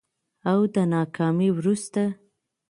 او د ناکامي وروسته